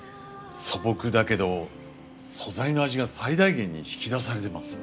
素朴だけど素材の味が最大限に引き出されてます。